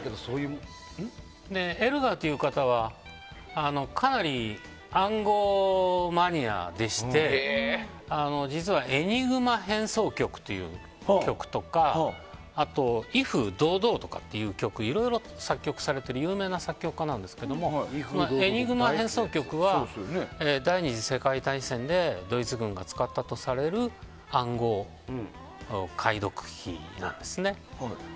エルガーという方はかなり暗号マニアでして実は「エニグマ変奏曲」とかあと「威風堂々」という曲などいろいろと作曲されている有名な作曲家なんですけれども「エニグマ変奏曲」は第２次世界大戦でドイツ軍が使ったとされる暗号の解読キーなんですね。